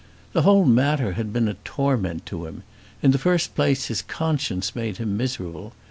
The whole matter had been a torment to him. In the first place his conscience made him miserable.